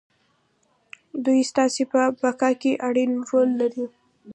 دوی ستاسې په بقا کې اړين رول لري.